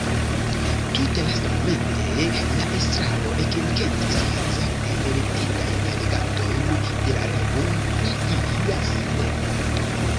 Tute lastmomente la estraro ekenketis hazarde elektitajn legantojn de la revuo pri ilia sinteno.